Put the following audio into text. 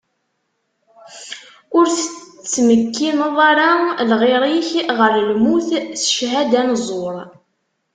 Ur tettmekkineḍ ara lɣir-ik ɣer lmut s cchada n ẓẓur.